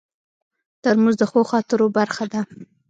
ترموز د ښو خاطرو برخه ده.